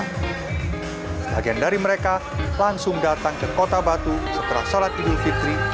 sebagian dari mereka langsung datang ke kota batu setelah salat idul fitri